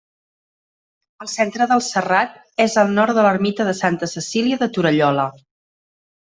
El centre del serrat és al nord de l'ermita de Santa Cecília de Torallola.